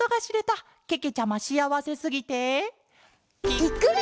ぴっくり！